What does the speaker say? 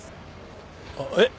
あっえっ？